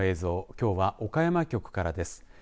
きょうは岡山局からです。